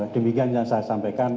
demikian yang saya sampaikan